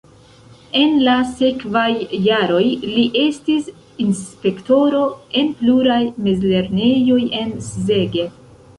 En la sekvaj jaroj li estis inspektoro en pluraj mezlernejoj en Szeged.